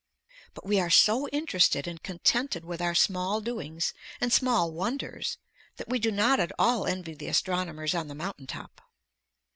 But we are so interested and contented with our small doings and small wonders that we do not at all envy the astronomers on the mountain top.